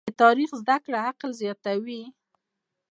د تاریخ زده کړه عقل زیاتوي.